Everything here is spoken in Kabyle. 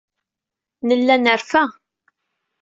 Nella nerfa.